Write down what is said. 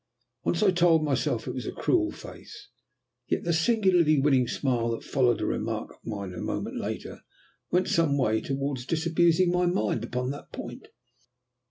Once I told myself it was a cruel face, yet the singularly winning smile that followed a remark of mine a moment later went some way towards disabusing my mind upon that point.